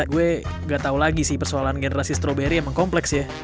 gue gak tau lagi sih persoalan generasi stroberi memang kompleks ya